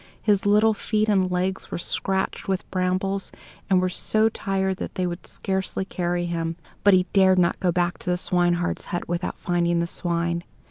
His little feet and legs were scratched with brambles, and were so tired that they would scarcely carry him; but he dared not go back to the swineherd's hut without finding the swine.